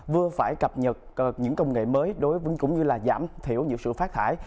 vừa phải cập nhật những công nghệ mới đối với cũng như là giảm thiểu những sự phát thải